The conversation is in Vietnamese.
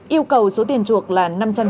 yêu cầu số tiền chuộc là